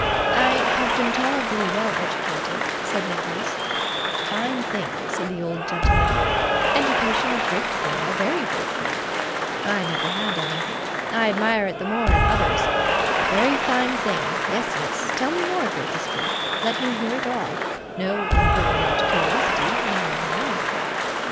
'I have been tolerably well educated,' said Nicholas. 'Fine thing,' said the old gentleman, 'education a great thing: a very great thing! I never had any. I admire it the more in others. A very fine thing. Yes, yes. Tell me more of your history. Let me hear it all. No impertinent curiosity no, no, no.